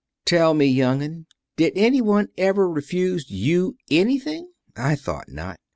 "Tell me, young 'un, did any one ever refuse you anything? I thought not.